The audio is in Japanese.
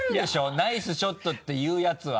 「ナイスショット」って言うやつは。